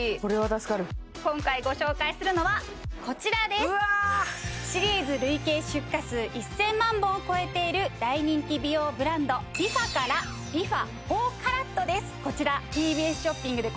今回ご紹介するのはこちらですシリーズ累計出荷数１０００万本を超えている大人気美容ブランドＲｅＦａからＲｅＦａ４ＣＡＲＡＴです